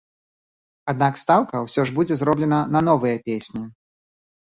Аднак, стаўка ўсё ж будзе зроблена на новыя песні.